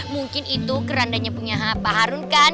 mungkin itu kerandanya punya apa harun kan